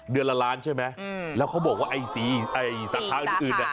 เดือนละล้านใช่ไหมและเขาบอกว่าสีสาขาอื่น